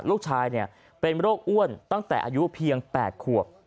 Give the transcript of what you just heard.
ลูกชายเป็นโรคอ้วนตั้งแต่อายุเพียง๘ขวบ